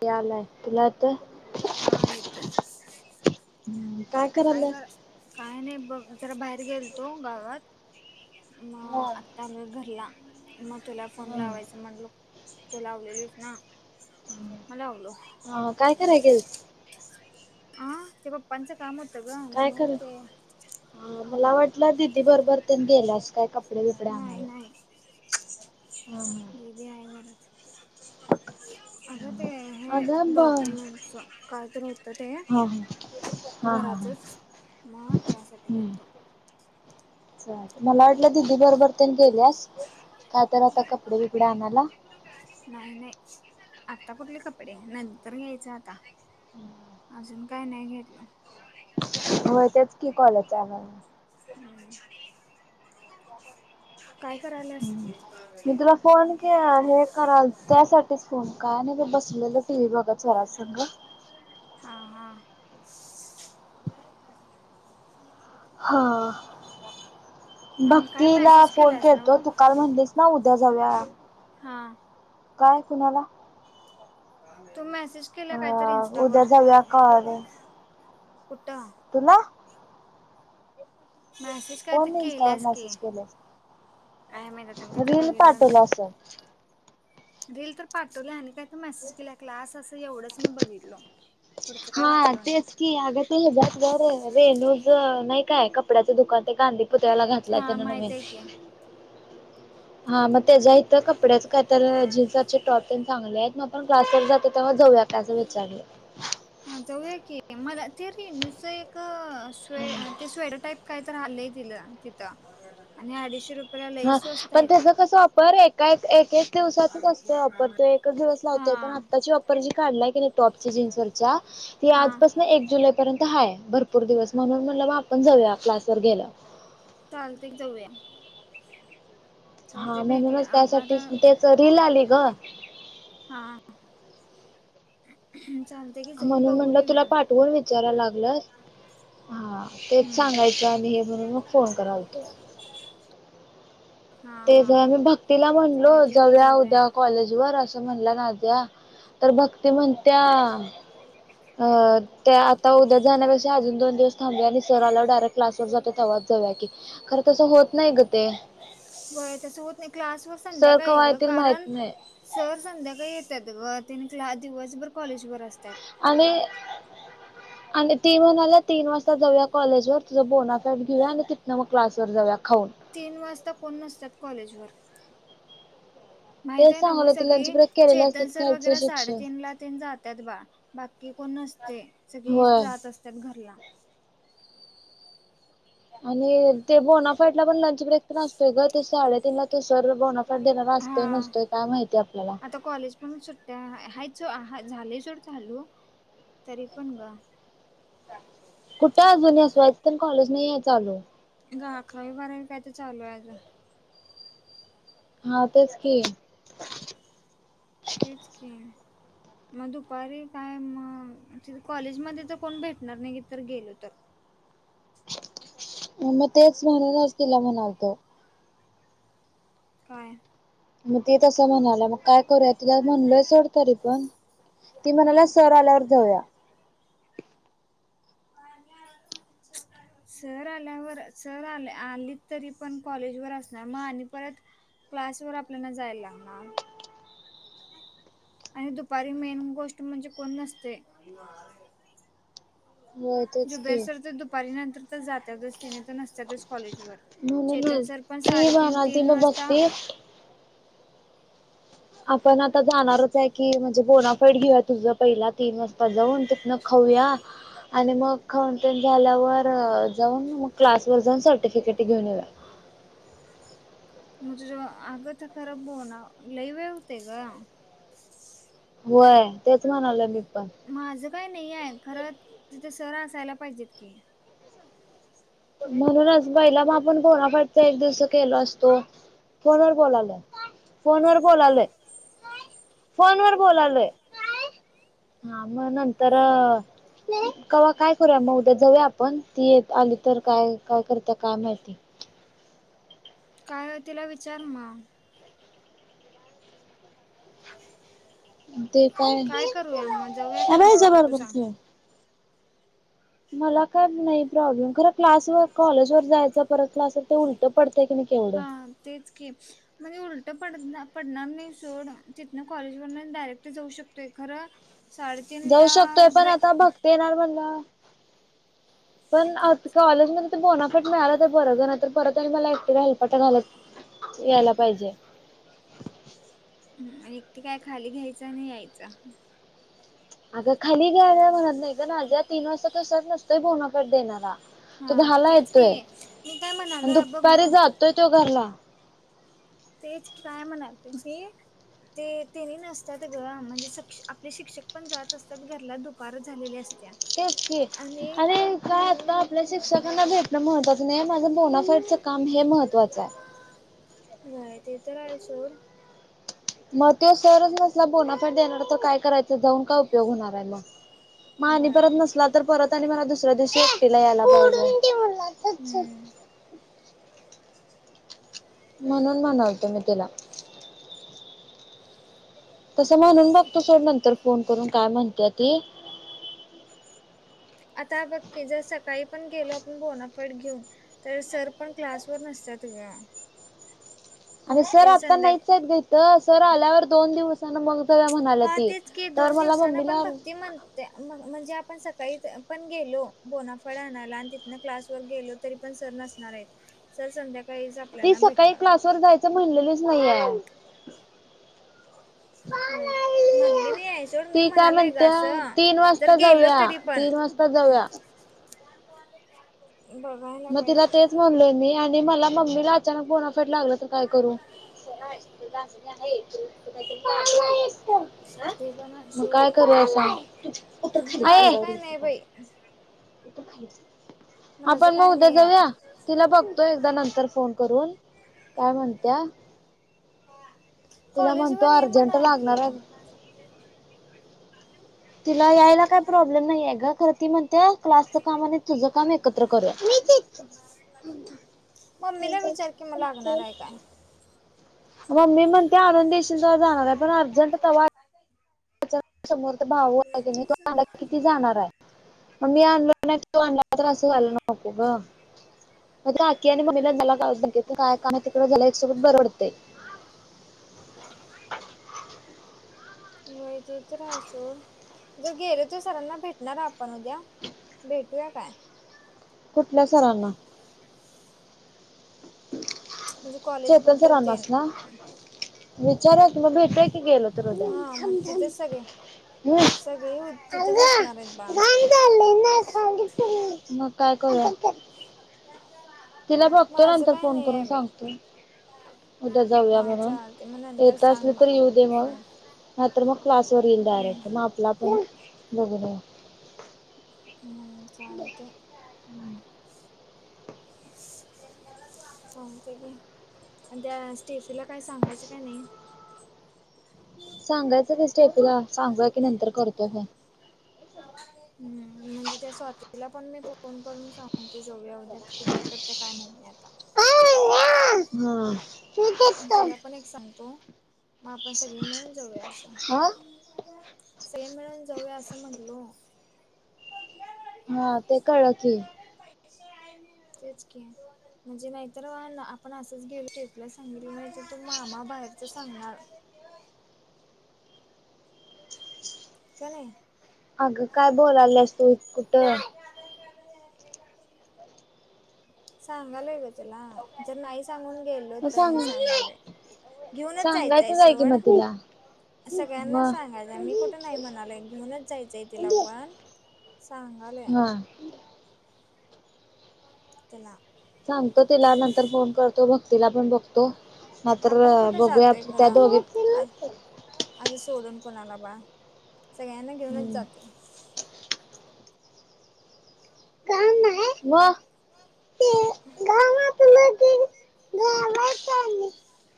ते आलाय हीला तर हा येतोय काय कराय काय नाई बघ जरा बाहेर गेलतो गावात म हा आत्ता आलोय घरला. मग तुला फोन हा लावायचं म्हंटलो तू लावलेलीस ना म लावलो हां काय कराय गेलती आं ते पप्पांचं काम होतं ग म्हणून ते हां मला वाटलं दीदी बरबर तेन गेल्यास काय कपडे बिपडे आणायला. हा हा दीदी हाय घरात आगं ते हे अगं ब डॉक्युमेंटचं काही तर होतं ते हा हा हा हा हा घरातचच म त्यासाठी हम्म. गेलतो चालतंय मला वाटलं दीदी बरोबर तेन गेली हायस काय तर आता कपडे बिपडे आणायला आता कुठली कपडे नंतर घ्यायचं आता आजून काय नाही घेतलं होय तेच की कॉलेज चालू हा हम्म. काय करायलास हम्म मी तुला फोन केला हे कराय त्यासाठी तेच फोन काय नाय ग बसलेलं हा हा. हा. आणि काय भक्तीला मेसेज फोन केलास ना केलता व तू काल म्हणलीस ना उद्या जाऊया हा काय कुणाला? तु मॅसे हा उद्या जाऊया का आज? कुठ? तूला मॅसेज काय तर इन्स्टावर केल्यास की मेसेज केले काय माहित आता मी तर रील बघितलं पाठवली असल. नाही रील तर पाठवल्या आणि काय तर मॅसेज केलय क्लास असं. एवढंच मी बघितलो पुढचं काय हां वाचलं तेच नाही की अगं ते हच्यात [unintelligible] हाय रेणू चं चं नाई काय कपड्याचं दुकान ते गांधी पुतळ्याला घातलाय हा त्यानं माहित नवीन. आहे की हा, हां म त्याज्या इथं कपड्याचं काय तर जीन्सचे टॉप तेन चांगले हैत मात्रं [unintelligible] क्लासवर जात्यात तेव्हा जाऊया का असं विचारलं. [unintelligible] हाय ते रेनुचं एक स्वे ते स्वेटर टाईप काही तर हाल्लंय तिला तिथं आणि अडीचशे रुपय हा पण त्याचा कस ऑफर एका एकएक दिवसाचच असते ऑफर तो एकच दिवस लावतो पण हा आताची ऑफर जी काढलाय की नाय टॉप ची जीन्स वरच्या ही हा आजपासन एक जुलैपर्यंत हाय भरपूर भरपूर दिवस म्हणून म्हणलं मग आपण जाऊया क्लास वर गेलं चालते की जाऊया हा चालते भेटले म्हणूनच आप आता त्यासाठीच त्याच रील आली ग हम्म [unintelligible] म्हणून म्हणलं तुला पाठवून विचाराय लागलंस हा तेच हम्म सांगायचं आणि हे म्हणून मग फोन करालतो हा ते हा झाल मी भक्तीला म्हणलो चालते की जाउया जाऊया उद्या कॉलेज वर अस तो म्हणला दाद्या तर भक्ती म्हणत्या अ ते आता उद्या जाण्या पेक्षा अजून दोन दिवस थांबले आणि सर आलावर डायरेक्ट क्लासवर जातो तवाच जाऊयाकी खर तसं होत नाही ग ते व्हय तस होत नाही क्लास वय सर संध्याकाळी कवा ग येतील माहित कारण नाही सर संध्याकाळी येत त्यात तिनी काल दिवसभर कॉलेजवर असतात आणि आणि ती म्हणाल्यात तीन वाजता जाऊया कॉलेजवर तुझं बोनाफाईड घेऊया आणि तिथन मग क्लासवर जाऊया खाऊन. तीन वाजता कोण नसत्यात कॉलेजवर माहित तेच आहे ना मग सांगालोय ते लंच सगळी ब्रेक केलेले असतात चेतन सर खालचे वगैरे शिक्षक साडेतीन ला तीन जात्यात बाळा बाकी की कोण नसतय सगळे होय. जात असतात घरला आणि ते बोनाफाईडला पण लंच ब्रेक नसतोय ग ते साडेतीन ला ते सर बोनाफाईड सद्याला वाजतोय हा नसतोय काय माहितीय आपल्याला तो हा झाले सोड चालू तरी पण ग कुठे अजून यस वायच पण कॉलेज नाहीए चालू अग अकरावी बारावी काय तर चालू आहे आजून हा तेच की तेच की मग दुपारी काय म त कॉलेज मध्ये तर कोण भेटणार नाय की तर गेलो तर म तेच म्हणूनच तिला म्हणालतो काय मग ते तसं म्हणालं मग काय करूया तिला म्हणाल सोड तरी पण ती म्हणाल्या सर आल्यावर जाऊया [inaudible] सर आल्यावर सर आले आली तरी पण कॉलेजवर असणार म आणि परत क्लास वर आपल्याला जाय लागणार आणि दुपारी मेन गोष्ट म्हणजे कोण नसतय होय तेच की जुबेरसर तर दुपारी नंतर तर जात्यातच तिने तर नसत्या कॉलेज वर चेतन म्हणूनच सर पण ती साडेतीन म्हणाल ती तीन मग वाजता बघते आपण आता जाणारच आहे की म्हणजे बोनाफाईड घेऊया तुझ पहिला तीन वाजता जाऊन तिथन खाऊ जाऊया आणि मग खाऊन पिऊन झाल्यावर जाऊन मग क्लासवर जाऊन सर्टिफिकेट घ घेऊन येऊया मजे ज आग ते खर बोना लई वेळ होतय ग व्हय तेच म्हणालोय मी पण. माझं काही नाही हाय खरं तिथं सर असायला पाहिजेत की. म्हणूनच पहिला म आपण. बोनाफाईड एक दिवस केल असतो. फोन वर बोलालोय. फोन वर बोलालोय काय हा म नंतर कवा काय करूया म उद्या जऊया आपण. ती येत आली. तर काय-काय करत्या काय म्हाईती. काय व्हय तिला विचार मग. ते काय हा. करूया मग जाऊया का थांब ह. नको हेच्या तू बरोबर सांग बोल. मला काय नाही प्रॉब्लेम. खर क्लासवर कॉलेज वर जायच. परत क्लास ते उलट पडत. हा तेच की म्हणजे उलट पड पडणार नाही सोड. तिथन कॉलेज वरण डायरेक्ट जाऊ शकतोय खरं. जाऊ साडेतीनला शकतोय पण बे आता भक्ती येणार म्हणल्यावर. पण कॉलेजमध्ये तर बोनाफाईड मिळालातर बर ग. नाहीतर परत आणि मला एकटीला हेलपाटे घालत. यायला पाहिजे. हम् आणि एकटी काय खाली घ्यायचं आणि यायचं. अगं खाली घ्यायला म्हणत नाही ग. नाजीया तीन वाजता. तो सर नसतोय बोनाफाईड देणारा. तो हां दहाला तेच येतोय. की मी काय आणि म्हणालो बघ दुपारी बोल जातोय. तो घरला. तेच काय म्हणाली ती. ते त्यांनी नसतात ग. म्हणजे आपले शिक्षक पण जात असतात घरला. दुपार झालेली असते. तेच की आणि काय ते आपल्या शिक्षकांना भेटण महत्त्वाचं नाही. माझे बोनाफाईड काम हे महत्त्वाचं आहे. होय ते तर आहे सोड. मग तो सरच नसला बोनाफाईड देणार तर. काय करायचं जाऊन काय उपयोग होणार आहे मग. आणि व्हय परत नसला तर. परत आणि मला दुसऱ्या दिवशी एकटीला यायला पाहीजे. हम्म [unintelligible] म्हणून म्हणालतो मी तुला. तसं म्हणून बघतो सोड. नंतर फोन करून काय म्हणते ती. आता बघ की जर सकाळी. पण गेलो आपण बोनाफाईड घेऊन तर सर पण क्लासवरर नसतात ग. अरे सर त्यांनी आता संध्याका नाहीच आहेत. ग हित सर आल्यावर दोन दिवस. हा तेच की दोन मला दिवसाांना पण मम्मीला भक्ती म्हणते म्हणजे आपण स काही पण गेलो बोनाफाईड आणायला. आणि तिथन क्लास वर गेलो तरी पण सर नसणार आहेत. सर संध्याकाळी ती सकाळी क्लासवरर जायचं म्हणलेलीच नाहीया. हो म्हणली नाही आहे सोड. मी ती काय म्हणालोय ग म्हणत्या असं जर गेलो तरी पण. चल जाऊया. बँक वाले. बँक वाले. मग तिला तेच म्हणलेय मी. आणि मला मम्मी ला अचानक बोनाफाईड लागलं तर काय करू. [unintelligible] [unintelligible] आहे मग सोड काय करूया सांग. माझं काय नाही बाई [unintelligible] माझं आपण मग काय उद्या नाही जाऊया. आहे तिला बघतो एकदा नंतर फोन करून. काय म्हणत्या. तिला म्हणतो कॉलेजवर ये अर्जंट म्हणाव की लागणार आहे. तिला यायला काही प्रॉब्लेम नाही हाय ग. खरं ती म्हणत्या. क्लास काम. आणि तुझं काम. एकत्र करूया. मम्मीला विचार की मग लागणार आहे काय [unintelligible] मम्मी म्हणत्या. आनून देशील तेव्हा जाणार आहे. पण अर्जंट तवा समोर भाऊ आहे कणी तो आला की ती जाणार आहे. मग मी आणलो तो आणला तर अस व्हायला नको ग. मग आख्खी मम्मीआणि मला झाला एक सोबत बरं पडतंय हो ते तर सोड जर गेलो तर सरांना भेटणार आपण उद्या भेटूया काय कुठल्या सरांना म्हणजे कॉलेज चेतन बद्दल ते सरांनाच ना विचारा क मग भेटूयाकी गेलो तर हा उद्या मग तिथंच सगळे सगळे तिथंच असणार आहेत बा [unintelligible] तिला बघतो माझं नंतर काय फोन नाही करून आहे बाई सांगतो उद्या जाऊया हा म्हणून चालते मग नंतर येत असलं सांग तररी मला येऊ दे मग हम्म म तर मग क्लासवरर येईन हम्म डायरेक्ट मग आपला पण बघून ये हम् चालते श अअअ चांगत गी आणि त्या स्टेफीला काही सांगायचं काय नाही सांगायचं ते स्टेपूला सांगू कि नंतर करतो ह हम्म म्हणजे त्या स्वातीला पण मी फोन करून सांग या उद्या काय करते काय माहित नाही आता हा तिला पण एक सांगतो मग आपण सगळी मिळून जाऊया असं हा सई मिळून जाऊया असं म्हंटलो हा ते कळ क तेच क म्हणजे नाहीतर वा ना आपण असंच घेऊ श प्लस चांगली माहितीे तू मामा बाहेरच सांगणार कणे अगं काय बोलालास तू इ कुठं सांगालय ग त्याला जर नाही सांगून गेलो मग तर सांग मी सांगालोय घेऊनच जायचय सांगायचंच आहे की सवळ मग तिला सगळ्यांना मग सांगायच मी कुठे नाही म्हणालय की म्हनच जायचंय तिला पण सां हा लाला सांगतो तिला नंतर फोन करतो भक्तीला पण बघतो नाहीतर आपण कुठे बघूया जातय खर त्या दोघी असं सोडून कोणाला बा सगळ्यांना घेऊनच हम्म. जाते का आहे ह ह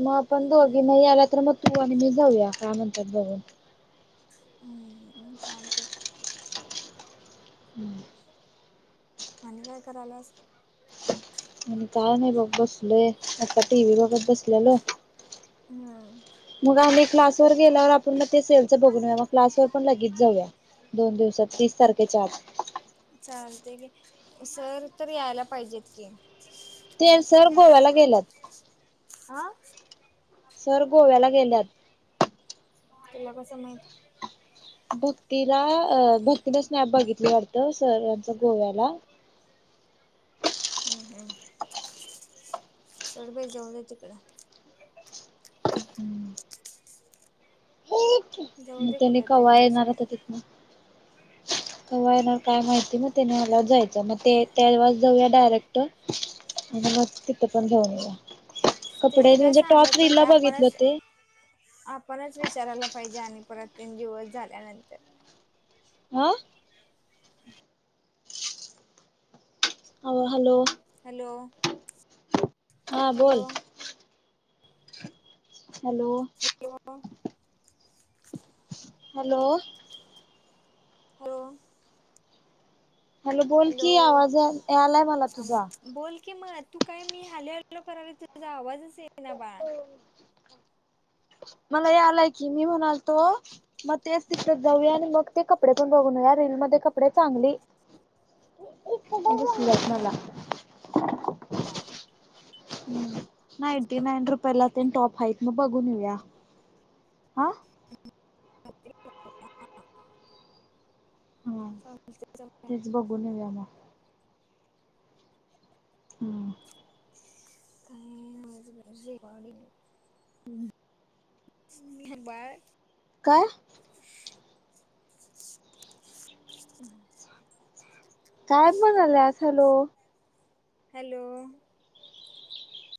मग आपण दोघी नाही आला तर मग तू आणि मी जाऊया काय म्हणतात बघून हम्म लते मणे काय करालास आणि काय नाही बघ बसलोय आता टी व्ही बघत बसलेल हम् मग आम्ही क्लासवर गेल्यावर आपण ते सेलच बघ मग्सवर पण लगेच जाऊया दोन दिवसात तीस तारखेच्या आज चालते की सर तर यायला पाहिजेत की ते सर गोव्याला गेलात आा सर गोव्याला गेल्यात तुला कस माहत भक्तीला भक्तीला स्नॅप बघितली वाटतं सरांच गोव्याला हम्म हम् सोड बाई जाऊन तिकडं हम्म जाऊ मग दे त्याने कुठ का तरी वा बाई येणार सोड आता तिथनं कव्हा येणार काय माहिती मग तेने आल्यावर जायचं मग ते त्यास जाऊया डायरेक्ट आणि मग तिथं पण घेऊन तेनी काय सांगत नाही बघितलं आपणच ते आपणच विचारायला पाहिजे आणि परत तीन दिवस झाल्यानंतर आ? हॅलो हॅलो हॅलो हा बोल hello hello hello hello hello hello बोल कि हॅलो आवाज या-यालाय मला हा तुझा मग बोल की मग तू काय मी हॅलो हॅलो करालोय तुझा आवाजच ये ना बाळ मला हे आलाय की मी म्हणालतो मग तेच तिकडेत जाऊया आणि मग ते कपडे पण बघून या रे कपडे चांगली दिसल्यात मला हम् नायटी नायन रुपयला तीन टॉप हायत बगून येऊया हा हा तेच बघून येऊया मग हम [unintelligible] [unintelligible] काय [unintelligible] काय म्हणायलास हॅलो हॅलो